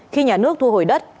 khi nhà nước thu hồi đất